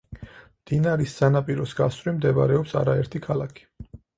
მდინარის სანაპიროს გასწვრივ მდებარეობს არაერთი ქალაქი.